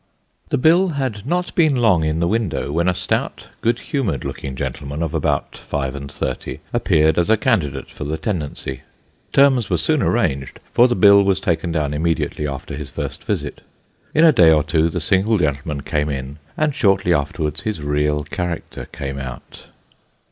The bill had not been long in the window, when a stout, good humoured looking gentleman, of about five and thirty, appeared as a candidate for the tenancy. Terms were soon arranged, for the bill 32 Sketches by Bos. was taken down immediately after his first visit. In a day or two the single gentleman came in, and shortly afterwards his real character came out.